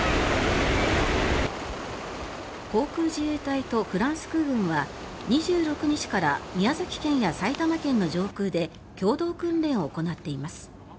航空自衛隊とフランス空軍は２６日から宮崎県や埼玉県の上空で共同訓練を行っています。